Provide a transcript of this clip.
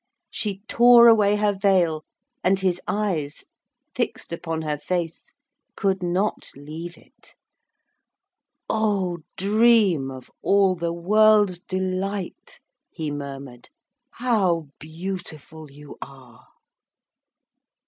She tore away her veil, and his eyes, fixed upon her face, could not leave it. 'Oh dream of all the world's delight,' he murmured, 'how beautiful you are.'